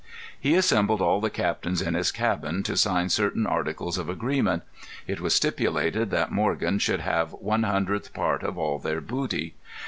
He assembled all the captains in his cabin to sign certain articles of agreement. It was stipulated that Morgan should have one hundredth part of all their booty.